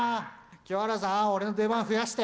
清原さん、俺の出番増やして！